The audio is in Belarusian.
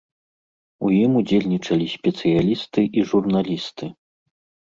У ім удзельнічалі спецыялісты і журналісты.